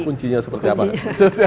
kuncinya seperti apa